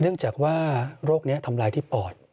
เนื่องจากว่าโรคนี้ทำลายที่ปอด